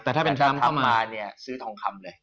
แต่ถ้าเป็นตามเข้ามาซื้อทองคำเลย